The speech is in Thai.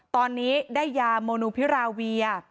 ตอนนี้ได้ยาโมนูพิราเวีย